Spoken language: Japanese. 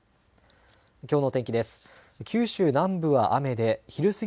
きょうの天気です。